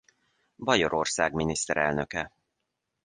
Bajorország miniszterelnöke.